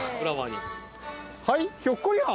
はいひょっこりはん。